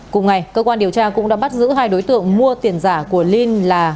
cùng ngày cơ quan điều tra cũng đã bắt giữ hai đối tượng mua tiền giả của linh là